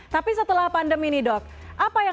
tapi setelah pandemi ini dok apa yang